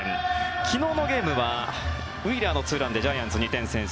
昨日のゲームはウィーラーのツーランでジャイアンツが２点先制。